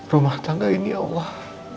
rumah tangga ini allah